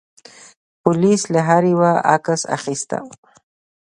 پولیس له هر یوه عکس اخیسته.